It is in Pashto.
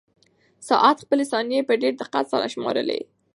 ساعت خپلې ثانیې په ډېر دقت سره شمارلې.